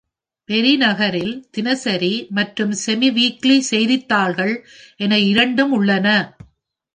பேரி நகரில் தினசரி மற்றும் செமி-வீக்லி செய்தித்தாள்கள் என இரண்டும் உள்ளன.